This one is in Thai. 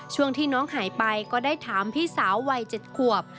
ช่วงที่น้องหายไปก็ได้ถามพี่สาววัย๗ขวบ